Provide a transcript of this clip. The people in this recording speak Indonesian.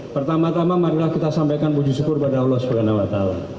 pertama tama marilah kita sampaikan puji syukur kepada allah swt